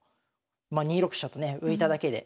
まあ２六飛車とね浮いただけで。